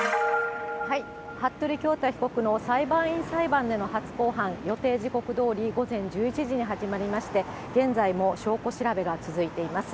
服部恭太被告の裁判員裁判での初公判、予定時刻どおり、午前１１時に始まりまして、現在も証拠調べが続いています。